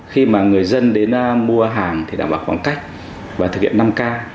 khi mà người dân đến mua hàng thì đảm bảo khoảng cách và thực hiện năm k